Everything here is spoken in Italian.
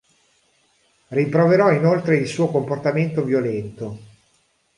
Rimproverò inoltre il suo comportamento violento.